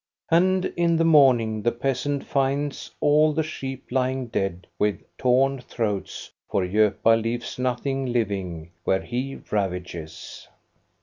And in the morning the peasant finds all the sheep lying dead with torn throats, for "gopa" leaves nothing living where he ravages.